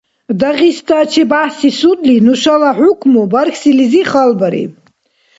Дагъиста ЧебяхӀси судли нушала хӀукму бархьсилизи халбариб.